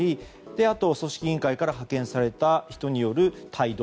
あと組織委員会から派遣された人による帯同。